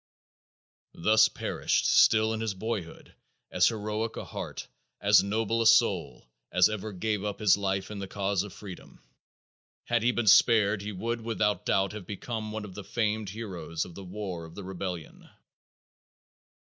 Thus perished, still in his boyhood, as heroic a heart, as noble a soul, as ever gave up his life in the cause of freedom. Had he been spared he would without doubt have become one of the famed heroes of the war of the rebellion.